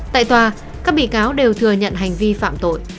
tại tòa các bị cáo đều thừa nhận hành vi phạm tội